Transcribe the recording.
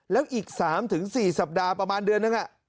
แล้วอีก๓๔สัปดาห์ประมาณเดือนนึง